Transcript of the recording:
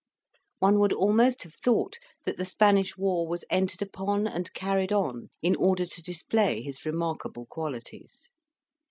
One would almost have thought that the Spanish war was entered upon and carried on in order to display his remarkable qualities.